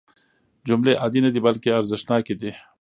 جملې عادي نه دي بلکې ارزښتناکې دي.